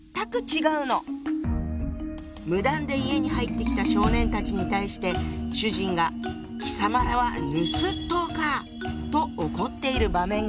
無断で家に入ってきた少年たちに対して主人が「貴様等はぬすっとうか」と怒っている場面があるわ。